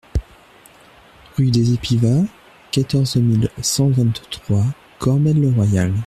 Rue des Épivas, quatorze mille cent vingt-trois Cormelles-le-Royal